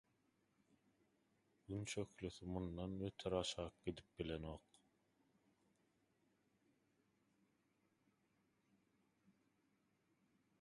Gün şöhlesi mundan beter aşak gidip bilenok.